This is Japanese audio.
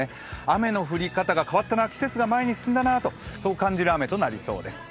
雨の降り方が変わったな季節が前に進んだなとそう感じる雨となりそうです。